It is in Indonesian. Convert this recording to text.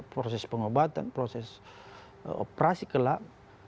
proses pengobatan proses operasi kelam